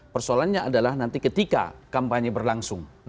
persoalannya adalah nanti ketika kampanye berlangsung